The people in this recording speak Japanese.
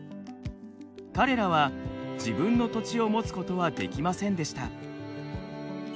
彼らは自分の土地を持つことはできませんでした。